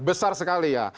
besar sekali ya